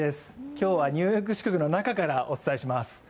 今日はニューヨーク支局の中からお伝えします。